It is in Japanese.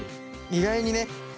意外にね。